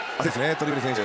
トリッペル選手